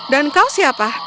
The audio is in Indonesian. dan kau siapa